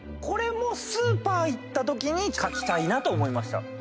これもスーパー行ったときに描きたいなと思いました。